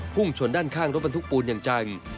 พุ่งชนด้านข้างรถบรรทุกปูนอย่างจัง